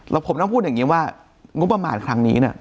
แล้วผมต้องพูดอย่างนี้ว่างบประมาณครั้งนี้เนี่ย